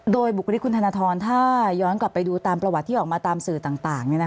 โดยบุคลิกคุณธนทรถ้าย้อนกลับไปดูตามประวัติที่ออกมาตามสื่อต่าง